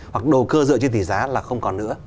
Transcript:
hoặc đồ cơ dựa trên tỉ giá là không còn nữa